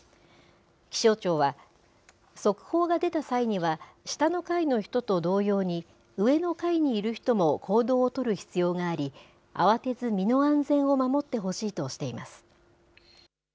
気象庁は、速報が出た際には、下の階の人と同様に、上の階にいる人も行動を取る必要があり、慌てず身の安全を守ってほしいとしています。